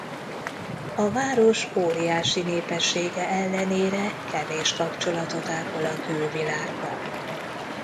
A város óriási népessége ellenére kevés kapcsolatot ápol a külvilággal.